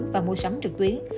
và mua sắm trực tuyến